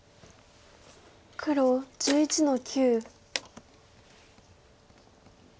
黒１１の九。